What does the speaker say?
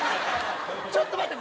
ちょっと待て。